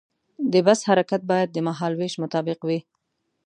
د بس حرکت باید د مهال ویش مطابق وي.